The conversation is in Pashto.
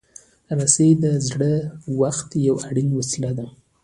رسۍ د زاړه وخت یو اړین وسیله ده.